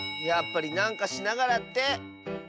やっぱりなんかしながらって。